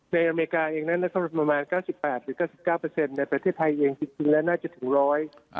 ในอเมริกาเองนั้นก็ประมาณ๙๘หรือ๙๙ในประเทศไทยเองจริงแล้วน่าจะถึงร้อย